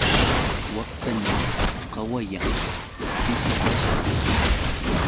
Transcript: Waktaña qawayan, pishipashqa.